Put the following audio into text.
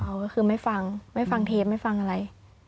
เขาก็คือไม่ฟังไม่ฟังเทปไม่ฟังอะไร